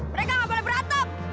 mereka nggak boleh berantem